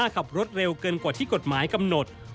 ขับรถเร็วเกินกว่าที่กฎหมายกำหนด